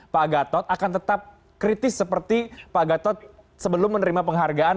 pak gatot akan tetap kritis seperti pak gatot sebelum menerima penghargaan